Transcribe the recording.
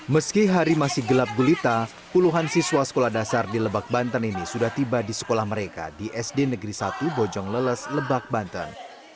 meski hari masih gelap gulita puluhan siswa sekolah dasar di lebak banten ini sudah tiba di sekolah mereka di sd negeri satu bojong leles lebak banten